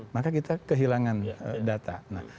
maka kita kehilangan data